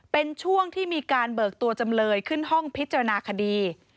เป็นช่วงที่มีการเบิกตัวจำเลยขึ้นห้องพิจารณาคดี